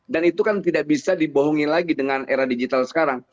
dan itu kan tidak bisa dibohongi lagi dengan era digital sekarang